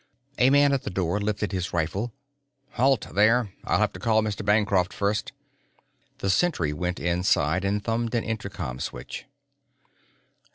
A man at the door lifted his rifle. "Halt, there! I'll have to call Mr. Bancroft first." The sentry went inside and thumbed an intercom switch.